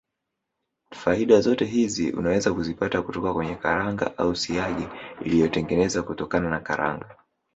Faida zote hizi unaweza kuzipata kutoka kwenye karanga au siagi iliyotengenezwa kutokana na karanga